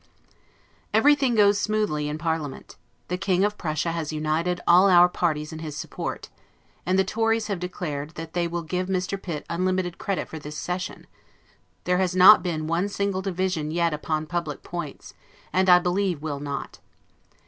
Everything goes smoothly in parliament; the King of Prussia has united all our parties in his support; and the Tories have declared that they will give Mr. Pitt unlimited credit for this session; there has not been one single division yet upon public points, and I believe will not.